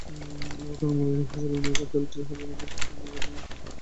এ ঘটনার মূলে ছিল নাইজার ডেল্টা জাহাজের নাবিক অপহরণের ঘটনা।